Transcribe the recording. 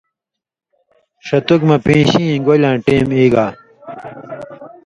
ݜتُک مہ پیشیں گولیۡ یاں ٹیم ایگا